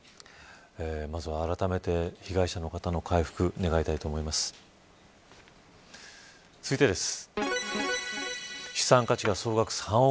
まずは、あらためて被害者の方の回復を願いたいと思います。